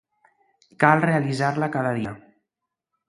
Cal realitzar-la cada dia.